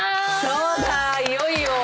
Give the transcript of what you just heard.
そうだいよいよ。